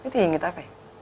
thì người ta phải